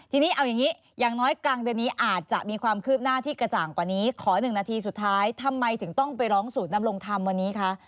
ทีนี้เอาอย่างนี้อย่างน้อยกลางเดือนนี้อาจจะมีความคืบหน้าที่กระจ่างกว่านี้ขอ๑นาทีสุดท้ายทำไมถึงต้องไปร้องศูนย์นำรงธรรมวันนี้คะ